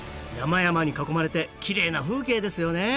山々に囲まれてきれいな風景ですよね